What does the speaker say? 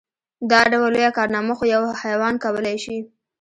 دا ډول لويه کارنامه خو يو حيوان کولی شي.